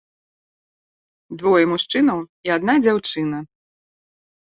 Двое мужчынаў і адна дзяўчына.